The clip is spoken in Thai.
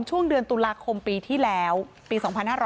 ช่วงเดือนตุลาคมปีที่แล้วปี๒๕๕๙